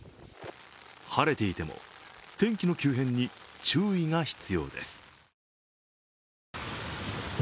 晴れていても、天気の急変に注意が必要です。